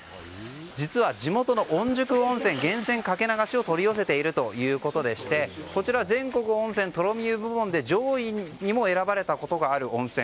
実は地元の御宿温泉源泉かけ流しを取り寄せているということでして全国温泉とろみ湯部門で上位にも選ばれたことがある温泉。